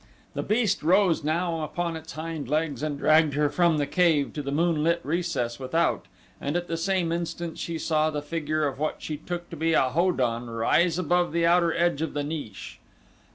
The beast rose now upon its hind legs and dragged her from the cave to the moonlit recess without and at the same instant she saw the figure of what she took to be a Ho don rise above the outer edge of the niche.